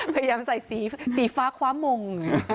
พยายามใส่สีฟ้าคว้ามง